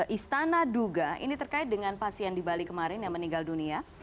istana duga ini terkait dengan pasien di bali kemarin yang meninggal dunia